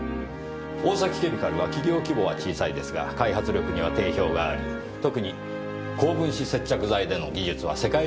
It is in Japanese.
大崎ケミカルは企業規模は小さいですが開発力には定評があり特に高分子接着剤での技術は世界レベルだそうです。